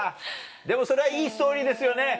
でもそれはいいストーリーですよね。